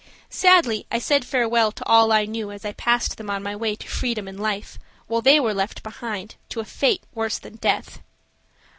Sadly I said farewell to all I knew as I passed them on my way to freedom and life, while they were left behind to a fate worse than death.